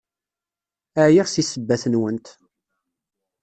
Ɛyiɣ seg ssebbat-nwent!